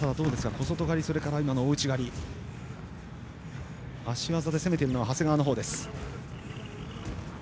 小外刈り、大内刈り足技で攻めているのは長谷川のほうです。